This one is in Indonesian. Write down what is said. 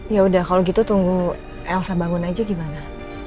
yaudah kalau gitu tunggu elsa bangun aja gimana